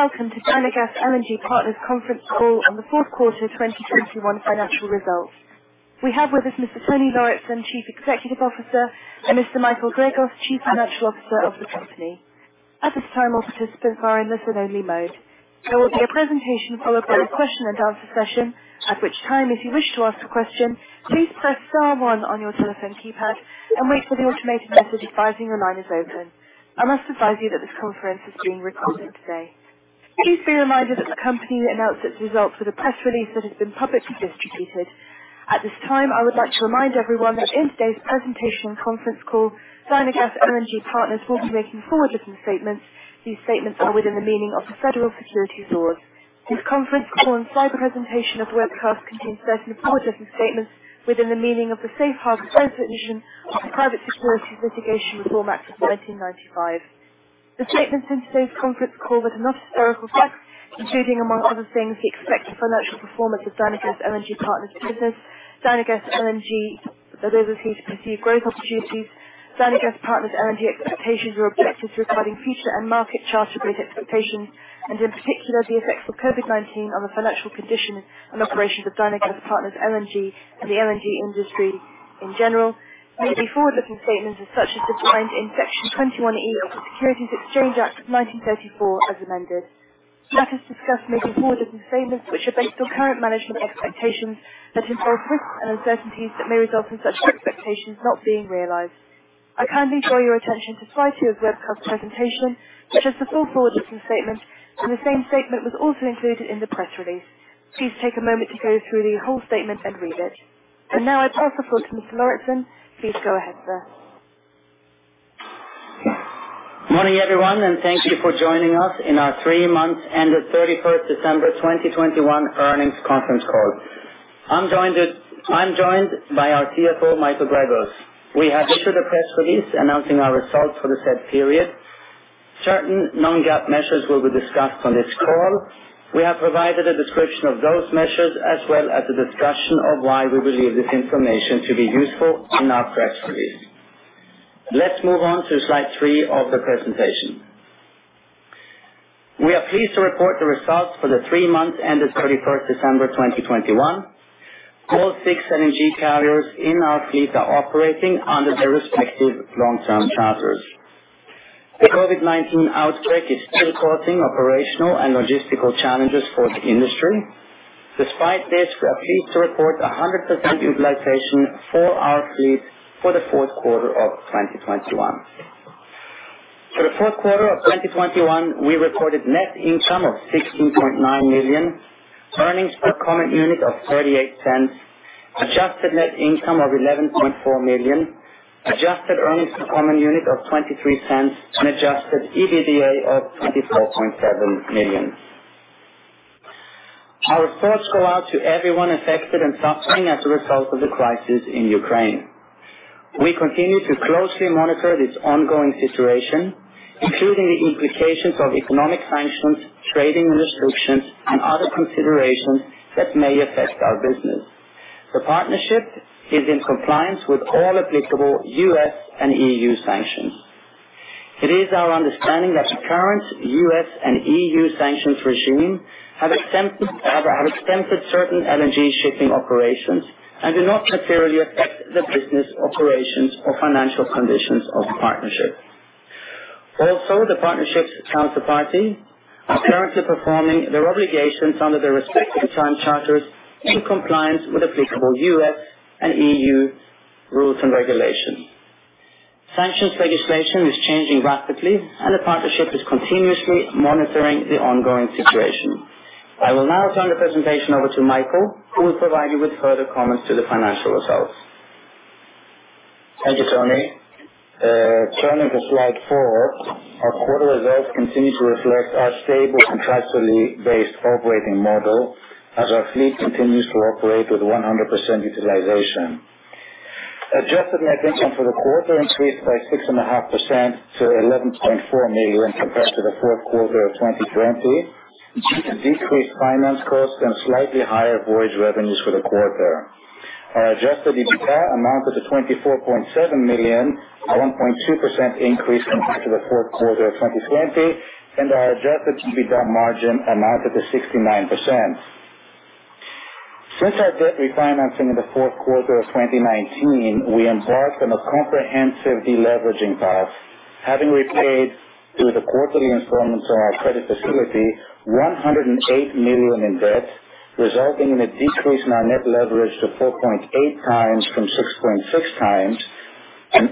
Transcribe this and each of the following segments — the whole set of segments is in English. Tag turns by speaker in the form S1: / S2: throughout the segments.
S1: Welcome to Dynagas LNG Partners conference call on the fourth quarter 2021 financial results. We have with us Mr. Tony Lauritzen, Chief Executive Officer, and Mr. Michael Gregos, Chief Financial Officer of the company. At this time, all participants are in listen-only mode. There will be a presentation followed by a question and answer session, at which time, if you wish to ask a question, please press star one on your telephone keypad and wait for the automated message advising the line is open. I must advise you that this conference is being recorded today. Please be reminded that the company announced its results with a press release that has been publicly distributed. At this time, I would like to remind everyone that in today's presentation and conference call, Dynagas LNG Partners will be making forward-looking statements. These statements are within the meaning of the Federal Securities laws. This conference call and webcast contains certain forward-looking statements within the meaning of the Safe Harbor provisions of the Private Securities Litigation Reform Act of 1995. The statements in today's conference call that are not historical facts, including, among other things, the expected financial performance of Dynagas LNG Partners business, Dynagas LNG Partners perceived growth opportunities, Dynagas LNG Partners expectations or objectives regarding future and market charter rate expectations and in particular, the effects of COVID-19 on the financial condition and operations of Dynagas LNG Partners and the LNG industry in general may be forward-looking statements as defined in Section 21E of the Securities Exchange Act of 1934 as amended. Matters discussed may be forward-looking statements, which are based on current management expectations that involve risks and uncertainties that may result in such expectations not being realized. I kindly draw your attention to slide two of webcast presentation, which is the full forward-looking statement, and the same statement was also included in the press release. Please take a moment to go through the whole statement and read it. Now I pass the call to Mr. Lauritzen. Please go ahead, sir.
S2: Morning, everyone, and thank you for joining us on our three months ended December 31st, 2021 earnings conference call. I'm joined by our CFO, Michael Gregos. We have issued a press release announcing our results for the said period. Certain non-GAAP measures will be discussed on this call. We have provided a description of those measures as well as a discussion of why we believe this information to be useful in our press release. Let's move on to Slide 3 of the presentation. We are pleased to report the results for the three months ended December 31st, 2021. All six LNG carriers in our fleet are operating under their respective long-term charters. The COVID-19 outbreak is still causing operational and logistical challenges for the industry. Despite this, we are pleased to report 100% utilization for our fleet for the fourth quarter of 2021. For the fourth quarter of 2021, we recorded net income of $16.9 million, earnings per common unit of $0.38, adjusted net income of $11.4 million, adjusted earnings per common unit of $0.23 and adjusted EBITDA of $24.7 million. Our thoughts go out to everyone affected and suffering as a result of the crisis in Ukraine. We continue to closely monitor this ongoing situation, including the implications of economic sanctions, trading restrictions and other considerations that may affect our business. The partnership is in compliance with all applicable U.S. and EU sanctions. It is our understanding that the current U.S. and EU sanctions regime have exempted certain LNG shipping operations and do not materially affect the business operations or financial conditions of the partnership. The partnership's counterparties are currently performing their obligations under their respective time charters in compliance with applicable U.S. and EU rules and regulations. Sanctions legislation is changing rapidly, and the partnership is continuously monitoring the ongoing situation. I will now turn the presentation over to Michael, who will provide you with further comments to the financial results.
S3: Thank you, Tony. Turning to Slide 4. Our quarter results continue to reflect our stable contractually based operating model as our fleet continues to operate with 100% utilization. Adjusted net income for the quarter increased by 6.5% to $11.4 million compared to the fourth quarter of 2020, due to decreased finance costs and slightly higher voyage revenues for the quarter. Our adjusted EBITDA amounted to $24.7 million, a 1.2% increase compared to the fourth quarter of 2020, and our adjusted EBITDA margin amounted to 69%. Since our debt refinancing in the fourth quarter of 2019, we embarked on a comprehensive deleveraging path. Having repaid through the quarterly installments on our credit facility $108 million in debt, resulting in a decrease in our net leverage to 4.8x from 6.6x, an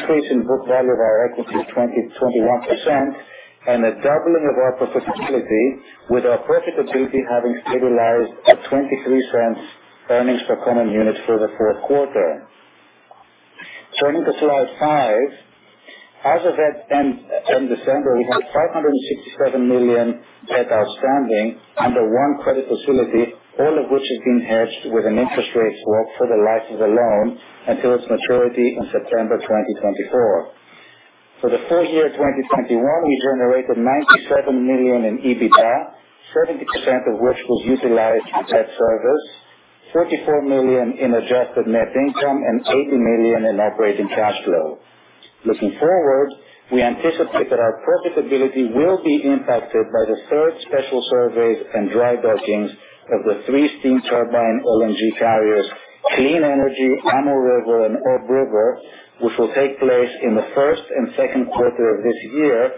S3: increase in book value of our equity of 21%, and a doubling of our profitability, with our profitability having stabilized at $0.23 earnings per common unit for the fourth quarter. Turning to Slide 5. As of the end of December, we had $567 million debt outstanding under one credit facility, all of which is being hedged with an interest rate swap for the life of the loan until its maturity in September 2024. For the full year 2021, we generated $97 million in EBITDA, 30% of which was utilized for debt service. $34 million in adjusted net income and $80 million in operating cash flow. Looking forward, we anticipate that our profitability will be impacted by the third special surveys and dry dockings of the three steam turbine LNG carriers, Clean Energy, Amur River, and Ob River, which will take place in the first and second quarter of this year,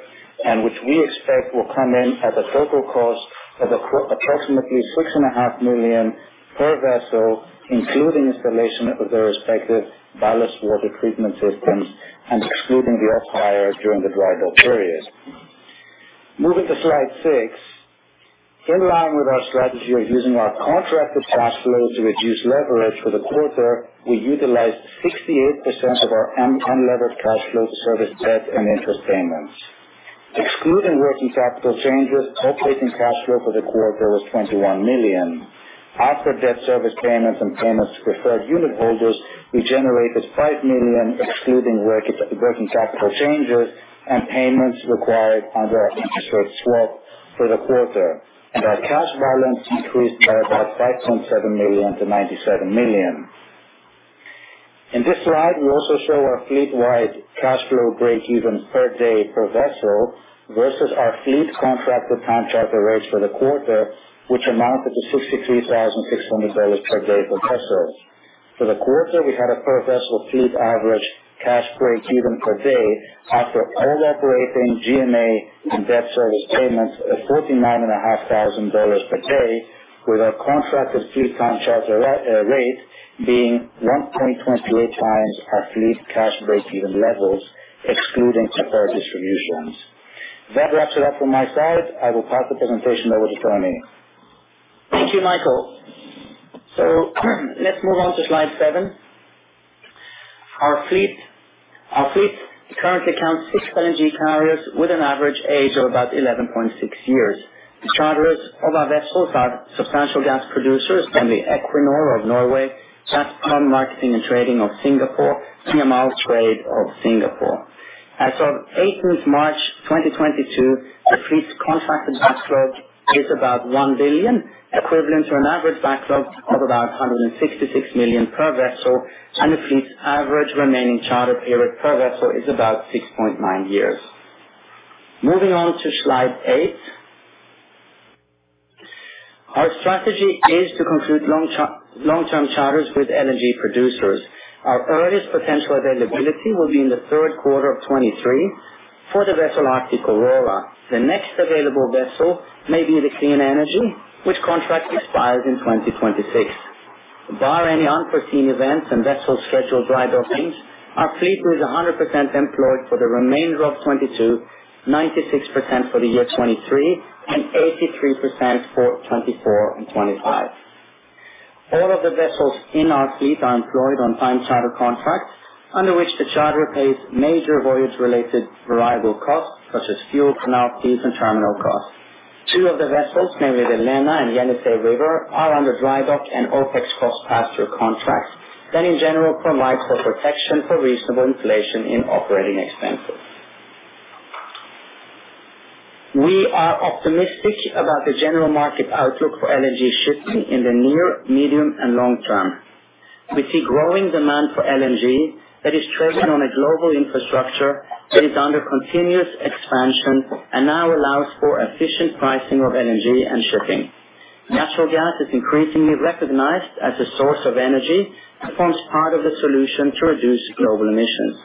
S3: and which we expect will come in at a total cost of approximately $6.5 million per vessel, including installation of their respective ballast water treatment systems and excluding the off-hire during the dry dock period. Moving to Slide 6. In line with our strategy of using our contracted cash flow to reduce leverage for the quarter, we utilized 68% of our unlevered cash flow to service debt and interest payments. Excluding working capital changes, operating cash flow for the quarter was $21 million. After debt service payments and payments to preferred unit holders, we generated $5 million, excluding working capital changes and payments required under our interest rate swap for the quarter. Our cash balance increased by about $5.7 million to $97 million. In this slide, we also show our fleet-wide cash flow breakeven per day per vessel versus our fleet contracted time charter rates for the quarter, which amounted to $63,600 per day per vessel. For the quarter, we had a per vessel fleet average cash breakeven per day after all operating G&A and debt service payments of $49,500 per day with our contracted fleet time charter rate being 1.28x our fleet cash breakeven levels, excluding preferred distributions. That wraps it up from my side. I will pass the presentation over to Tony.
S2: Thank you, Michael. Let's move on to Slide 7. Our fleet currently counts six LNG carriers with an average age of about 11.6 years. The charters of our vessels are substantial gas producers, namely Equinor of Norway, Gazprom Marketing & Trading of Singapore, CML Trade of Singapore. As of 18th March 2022, the fleet's contracted backlog is about $1 billion, equivalent to an average backlog of about $166 million per vessel, and the fleet's average remaining charter period per vessel is about 6.9 years. Moving on to Slide 8. Our strategy is to conclude long-term charters with LNG producers. Our earliest potential availability will be in the third quarter of 2023 for the vessel Arctic Aurora. The next available vessel may be the Clean Energy, which contract expires in 2026. Barring any unforeseen events and vessels scheduled dry dockings, our fleet is 100% employed for the remainder of 2022, 96% for the year 2023, and 83% for 2024 and 2025. All of the vessels in our fleet are employed on time charter contracts, under which the charter pays major voyage-related variable costs such as fuel, canal fees, and terminal costs. Two of the vessels, namely the Lena River and Yenisei River, are under dry dock and OPEX cost pass-through contracts that in general provide for protection for reasonable inflation in operating expenses. We are optimistic about the general market outlook for LNG shipping in the near, medium, and long term. We see growing demand for LNG that is traded on a global infrastructure that is under continuous expansion and now allows for efficient pricing of LNG and shipping. Natural gas is increasingly recognized as a source of energy and forms part of the solution to reduce global emissions.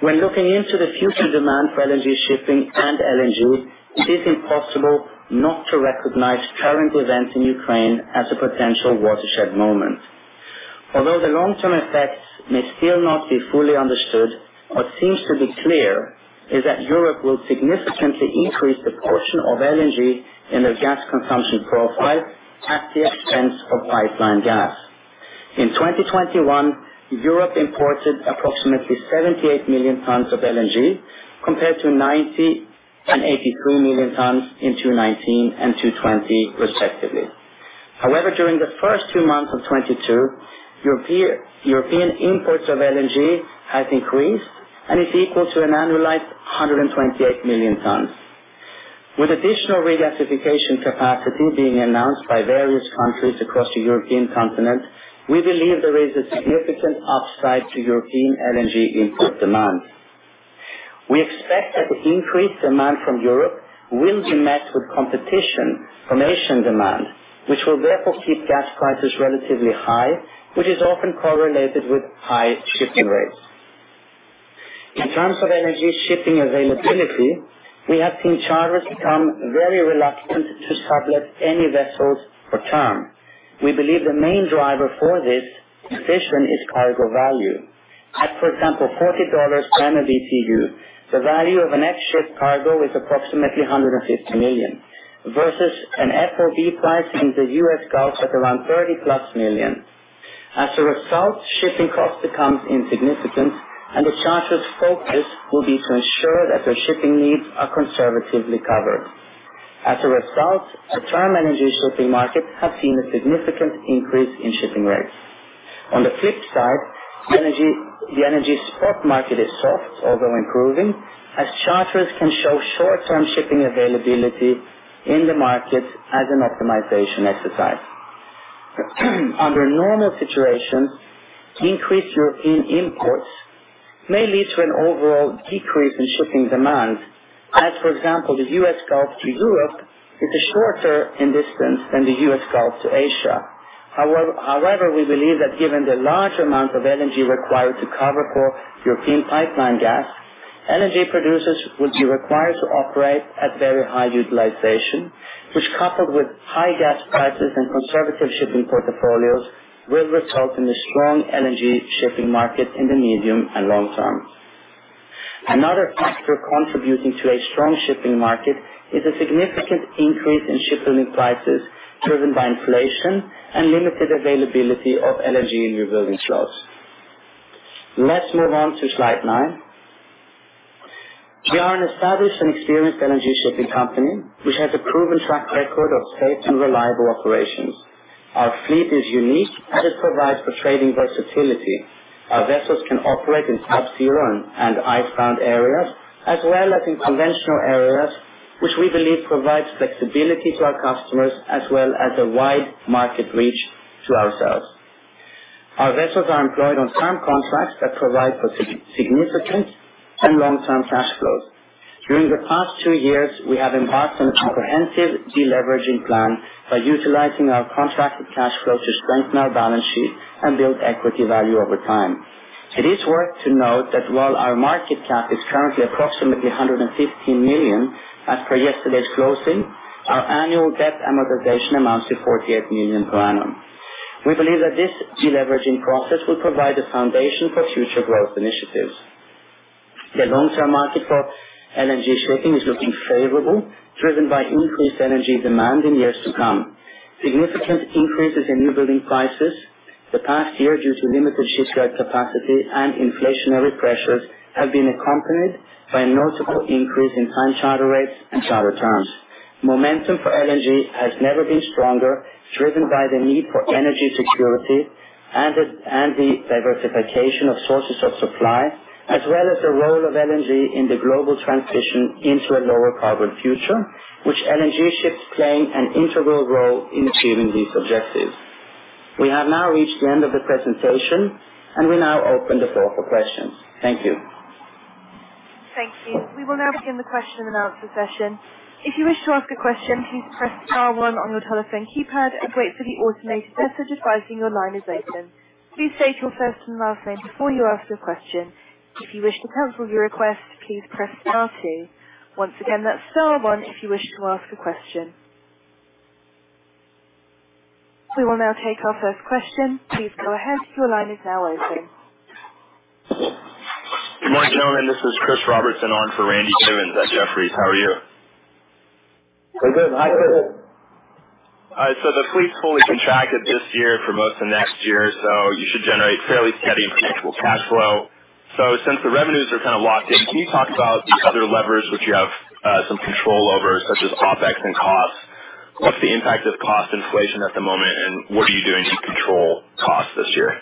S2: When looking into the future demand for LNG shipping and LNG, it is impossible not to recognize current events in Ukraine as a potential watershed moment. Although the long-term effects may still not be fully understood, what seems to be clear is that Europe will significantly increase the portion of LNG in their gas consumption profile at the expense of pipeline gas. In 2021, Europe imported approximately 78 million tons of LNG compared to 83 million tons in 2019 and 80 million tons in 2020, respectively. However, during the first two months of 2022, European imports of LNG has increased and is equal to an annualized 128 million tons. With additional regasification capacity being announced by various countries across the European continent, we believe there is a significant upside to European LNG import demand. We expect that the increased demand from Europe will be met with competition from Asian demand, which will therefore keep gas prices relatively high, which is often correlated with high shipping rates. In terms of LNG shipping availability, we have seen charters become very reluctant to sublet any vessels for term. We believe the main driver for this decision is cargo value. At, for example, $40 per MMBtu, the value of an LNG ship cargo is approximately $150 million, versus an FOB price in the U.S. Gulf at around $30+ million. As a result, shipping costs becomes insignificant, and the charter's focus will be to ensure that their shipping needs are conservatively covered. As a result, the term LNG shipping markets have seen a significant increase in shipping rates. On the flip side, the energy spot market is soft, although improving, as charters can show short-term shipping availability in the market as an optimization exercise. Under normal situations, an increase in European imports may lead to an overall decrease in shipping demand. As, for example, the U.S. Gulf to Europe is shorter in distance than the U.S. Gulf to Asia. However, we believe that given the large amount of energy required to cover for European pipeline gas, energy producers would be required to operate at very high utilization, which, coupled with high gas prices and conservative shipping portfolios, will result in a strong LNG shipping market in the medium and long term. Another factor contributing to a strong shipping market is a significant increase in shipping prices, driven by inflation and limited availability of LNG in rebuilding slots. Let's move on to Slide 9. We are an established and experienced LNG shipping company, which has a proven track record of safe and reliable operations. Our fleet is unique, and it provides for trading versatility. Our vessels can operate in type zero and icebound areas, as well as in conventional areas, which we believe provides flexibility to our customers as well as a wide market reach to ourselves. Our vessels are employed on term contracts that provide for significant and long-term cash flows. During the past two years, we have embarked on a comprehensive deleveraging plan by utilizing our contracted cash flow to strengthen our balance sheet and build equity value over time. It is worth to note that while our market cap is currently approximately $115 million, as per yesterday's closing, our annual debt amortization amounts to $48 million per annum. We believe that this deleveraging process will provide the foundation for future growth initiatives. The long-term market for LNG shipping is looking favorable, driven by increased energy demand in years to come. Significant increases in new building prices the past year, due to limited shipyard capacity and inflationary pressures, have been accompanied by a notable increase in time charter rates and charter terms. Momentum for LNG has never been stronger, driven by the need for energy security and the diversification of sources of supply, as well as the role of LNG in the global transition into a lower carbon future, which LNG ships play an integral role in achieving these objectives. We have now reached the end of the presentation, and we now open the floor for questions. Thank you.
S1: Thank you. We will now begin the question and answer session. If you wish to ask a question, please press star one on your telephone keypad and wait for the automated message advising your line is open. Please state your first and last name before you ask your question. If you wish to cancel your request, please press star two. Once again, that's star one if you wish to ask a question. We will now take our first question. Please go ahead. Your line is now open.
S4: Good morning, gentlemen. This is Chris Robertson on for Randy Giveans at Jefferies. How are you?
S2: We're good. Hi, Chris.
S4: All right. The fleet's fully contracted this year for most of next year, so you should generate fairly steady, predictable cash flow. Since the revenues are kind of locked in, can you talk about the other levers which you have some control over, such as OpEx and costs? What's the impact of cost inflation at the moment, and what are you doing to control costs this year?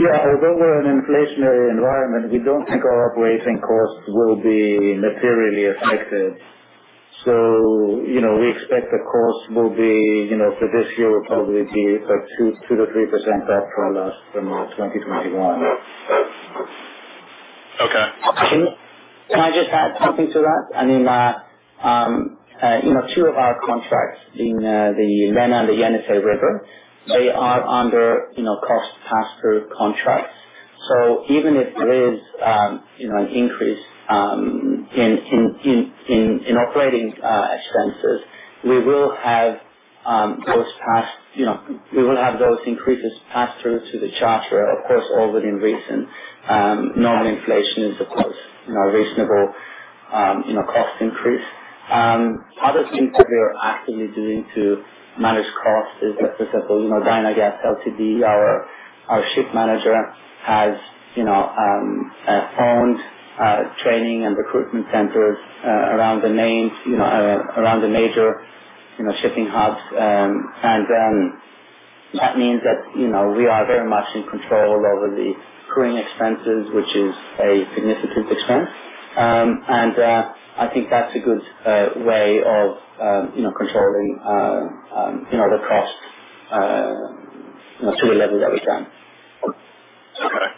S2: Yeah. Although we're in an inflationary environment, we don't think our operating costs will be materially affected. We expect the costs will be, you know, for this year will probably be, like, 2%-3% up from 2021.
S4: Okay.
S2: Can I just add something to that? I mean, you know, two of our contracts in the Lena and the Yenisei River, they are under cost pass-through contracts. So even if there is you know, an increase in operating expenses, we will have those increases passed through to the charter, of course, all within reason. Normal inflation is, of course, you know, a reasonable cost increase. Other things that we are actively doing to manage costs is, for example, you know, Dynagas Ltd, our ship manager has owned training and recruitment centers around the major shipping hubs. That means that, you know, we are very much in control over the crewing expenses, which is a significant expense. I think that's a good way of, you know, controlling, you know, the costs, you know, to a level that we can.
S4: Okay.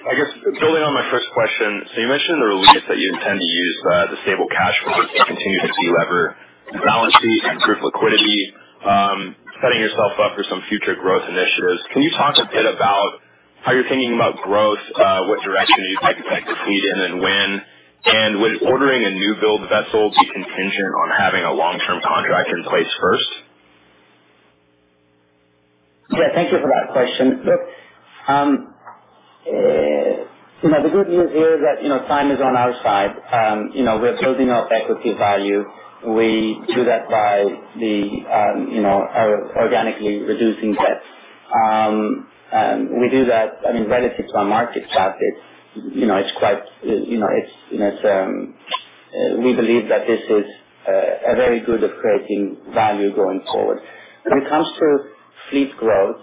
S4: I guess building on my first question, so you mentioned the release that you intend to use, the stable cash flow to continue to delever the balance sheet and improve liquidity, setting yourself up for some future growth initiatives. Can you talk a bit about how you're thinking about growth, what direction you'd like to take the fleet and then when? And would ordering a new build vessel be contingent on having a long-term contract in place first?
S2: Yeah. Thank you for that question. Look, you know, the good news here is that, you know, time is on our side. You know, we are building up equity value. We do that by organically reducing debt. We do that, I mean, relative to our market cap, it's quite, you know, we believe that this is a very good at creating value going forward. When it comes to fleet growth,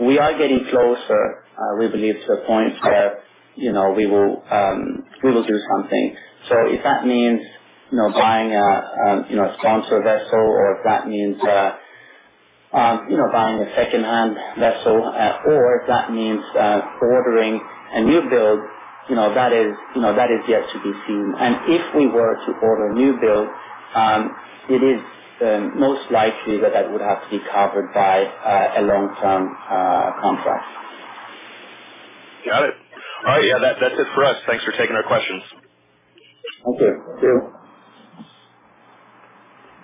S2: we are getting closer, we believe to a point where, you know, we will do something. If that means, you know, buying a you know a sponsor vessel or if that means, you know, buying a secondhand vessel, or if that means ordering a new build, you know, that is yet to be seen. If we were to order a new build, it is most likely that that would have to be covered by a long-term contract.
S4: Got it. All right. Yeah, that's it for us. Thanks for taking our questions.
S2: Okay. See you.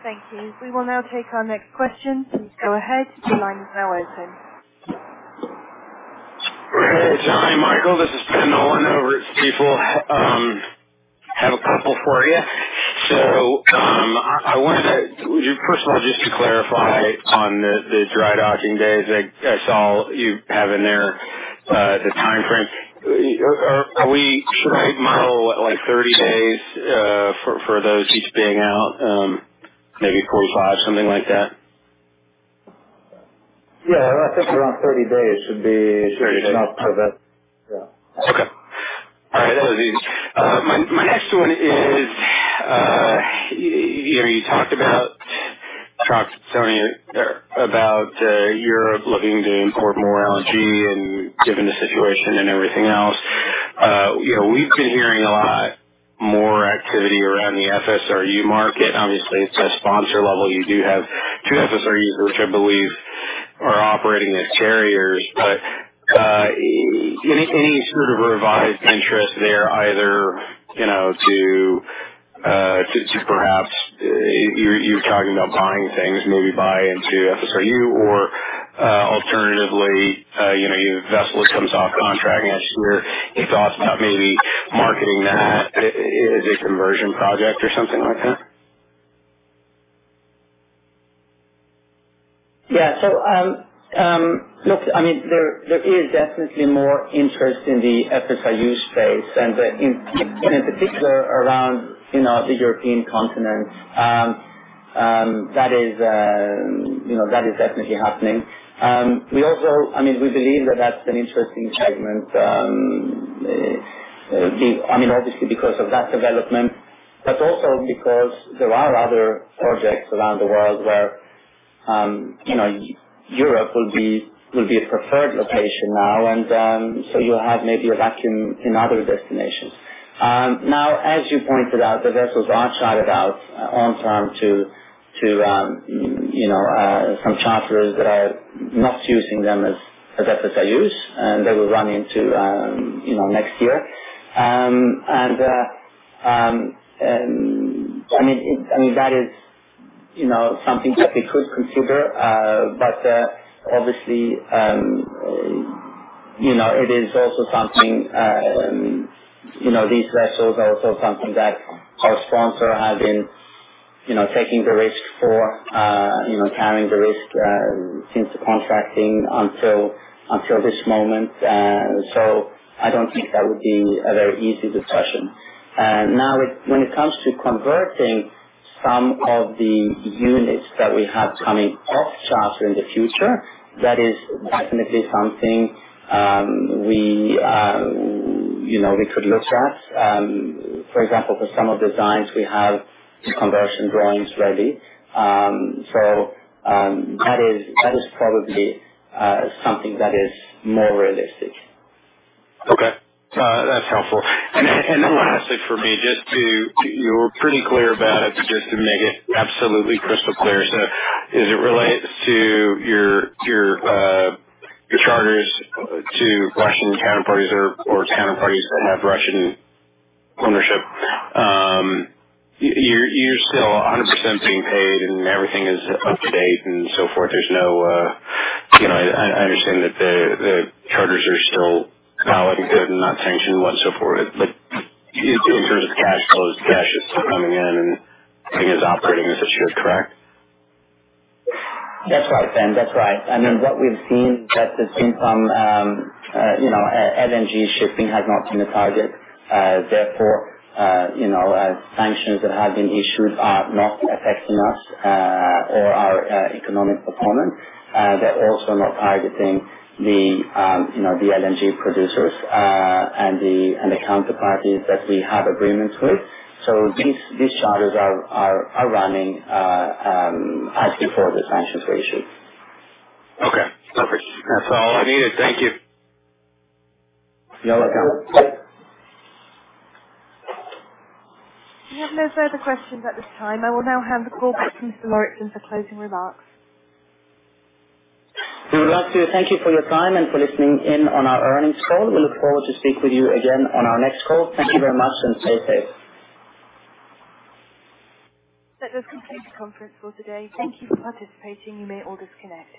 S1: Thank you. We will now take our next question. Please go ahead. Your line is now open.
S5: Hey, John, Michael, this is Ben Nolan over at Stifel. Have a couple for you. First of all, just to clarify on the dry docking days, I saw you have in there the timeframe. Should we model 30 days for each of those being out, maybe 45, something like that?
S2: Yeah. I think around 30 days should be-
S5: 30 days.
S2: Enough for that. Yeah.
S5: Okay. All right. That was easy. My next one is, you know, you talked about trucks, Tony, about Europe looking to import more LNG and given the situation and everything else. We've been hearing a lot more activity around the FSRU market. Obviously, it's a sponsor level. You do have two FSRUs, which I believe are operating as carriers. Any sort of revised interest there either, you know, to perhaps you're talking about buying things, maybe buy into FSRU or alternatively, you know, your vessel comes off contract next year. Your thoughts about maybe marketing that as a conversion project or something like that?
S2: Yeah, look, I mean, there is definitely more interest in the FSRU space and in particular around, you know, the European continent. That is definitely happening. We also, I mean, we believe that that's an interesting segment, I mean, obviously because of that development, but also because there are other projects around the world where, you know, Europe will be a preferred location now. You have maybe a vacuum in other destinations. Now as you pointed out, the vessels are chartered out on time to, you know, some charterers that are not using them as FSRUs, and they will run into, you know, next year. I mean, that is, you know, something that we could consider. Obviously, you know, it is also something, you know, these vessels are also something that our sponsor has been, you know, taking the risk for, you know, carrying the risk, since the contracting until this moment. I don't think that would be a very easy discussion. Now, when it comes to converting some of the units that we have coming off charter in the future, that is definitely something we could look at. For example, for some of the designs we have conversion drawings ready. That is probably something that is more realistic.
S5: Okay. That's helpful. Then one last thing for me, just to make it absolutely crystal clear. You were pretty clear about it, just to make it absolutely crystal clear. As it relates to your your your charters to Russian counterparties or counterparties that have Russian ownership, you're still 100% being paid and everything is up to date and so forth. There's no you know I understand that the charters are still valid and good and not sanctioned and so forth. In terms of cash flows, cash is still coming in and everything is operating as it should, correct?
S2: That's right, Ben. I mean, what we've seen that the income, you know, LNG shipping has not been a target. Therefore, you know, sanctions that have been issued are not affecting us, or our economic performance. They're also not targeting the, you know, the LNG producers, and the counterparties that we have agreements with. These charters are running as before the sanctions were issued.
S5: Okay, perfect. That's all I needed. Thank you.
S2: You're welcome.
S1: We have no further questions at this time. I will now hand the call back to Mr. Lauritzen for closing remarks.
S2: We would like to thank you for your time and for listening in on our earnings call. We look forward to speak with you again on our next call. Thank you very much, and stay safe.
S1: That does conclude the conference call today. Thank you for participating. You may all disconnect.